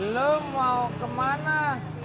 lo mau kemana